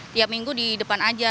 tiap minggu di depan aja